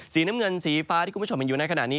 สีน้ำเงินสีฟ้าที่คุณผู้ชมเห็นอยู่ในขณะนี้